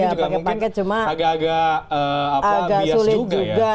agak agak bias juga